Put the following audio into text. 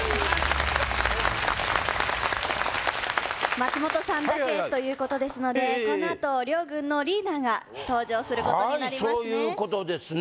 松本さんだけということですのでこのあと両軍のリーダーが登場することになりますね